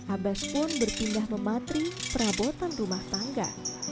abas pun berpindah mematri perabotan rumah tangga